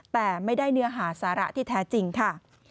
แต่ไม่ได้เนื้อหาสาระที่แท้จริงค่ะ